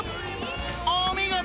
お見事！